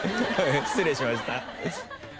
失礼しました。